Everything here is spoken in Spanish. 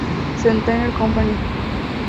C. Tanner Company'.